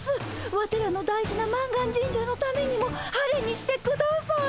ワテらの大事な満願神社のためにも晴れにしてください。